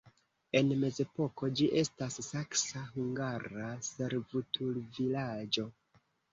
En mezepoko ĝi estis saksa-hungara servutulvilaĝo.